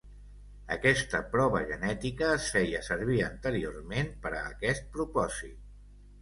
Aquesta prova genètica es feia servir anteriorment per a aquest propòsit.